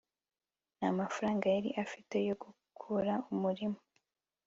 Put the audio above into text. nta mafaranga yari afite yo kugura umurima